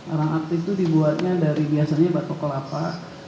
arang aktif itu dibuatnya dari batu kelapa